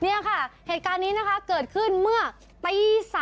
นี่ค่ะเหตุการณ์นี้นะคะเกิดขึ้นเมื่อตี๓